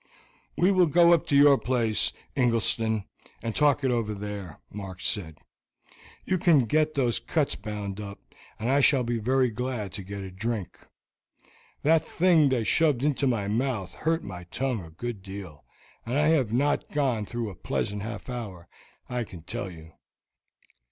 "We will go up to your place, Ingleston, and talk it over there," Mark said. "You can get those cuts bound up, and I shall be very glad to get a drink. That thing they shoved into my mouth hurt my tongue a good deal, and I have not gone through a pleasant half hour, I can tell you."